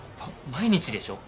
毎日でしょ？